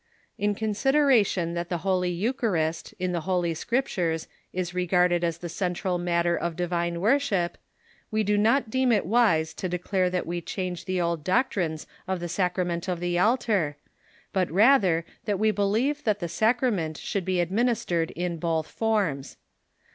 In consideration that the Holy Eucharist in the Holy Script ures is regarded as the central matter of divine worship, we do not deem it wise to declare that we change the old doc trines of the sacrament of the altar, but rather that we believe that the sacrament should be administered in both forms.